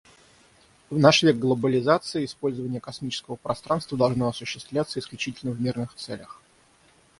В наш век глобализации использование космического пространства должно осуществляться исключительно в мирных целях.